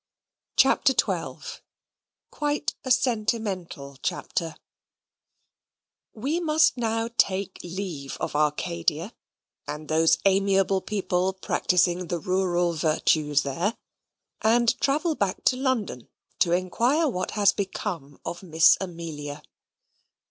CHAPTER XII Quite a Sentimental Chapter We must now take leave of Arcadia, and those amiable people practising the rural virtues there, and travel back to London, to inquire what has become of Miss Amelia.